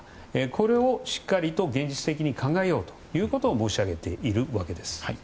これをしっかり現実的に考えようということを申し上げているわけです。